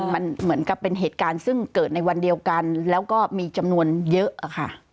มันเหมือนกับเป็นเหตุการณ์ซึ่งเกิดในวันเดียวกันแล้วก็มีจำนวนเยอะค่ะ